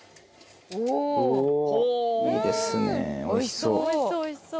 おいしそう。